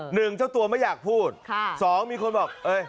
หนึ่งเจ้าตัวไม่อยากพูดค่ะสองมีคนบอกเอ้ย